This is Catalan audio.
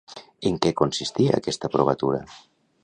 En què consistia aquesta provatura?